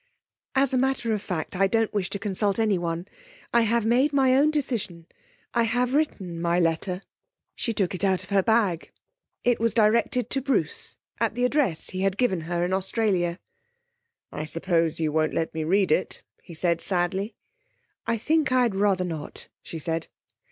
'As a matter of fact, I don't wish to consult anyone. I have made my own decision. I have written my letter.' She took it out of her bag. It was directed to Bruce, at the address he had given her in Australia. 'I suppose you won't let me read it?' he said sadly. 'I think I'd rather not,' she said.